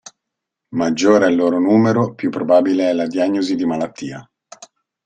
Maggiore è il loro numero, più probabile è la diagnosi di malattia.